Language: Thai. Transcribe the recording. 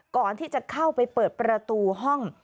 ก่อนที่จะเข้าไปเปิดประตูห้อง